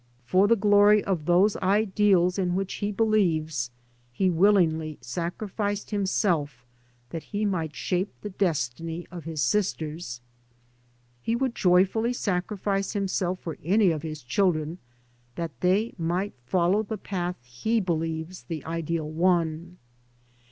For the glory of those ideals in which he believes he willingly sacri ficed himself that he might shape the destiny of his sisters. He would joyfully sacrifice himself for any of his children, that they might follow the path he believes the ideal one.